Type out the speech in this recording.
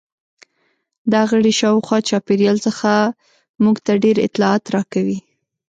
دا غړي شاوخوا چاپیریال څخه موږ ته ډېر اطلاعات راکوي.